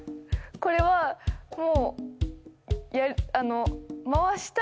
これはもうあの。